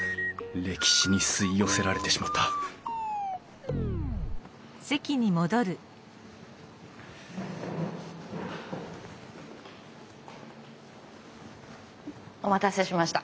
歴史に吸い寄せられてしまったお待たせしました。